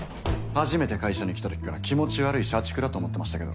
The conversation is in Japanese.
初めて会社に来たときから気持ち悪い社畜だと思ってましたけど。